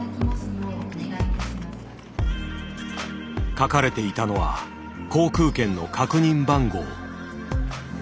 書かれていたのは航空券の確認番号。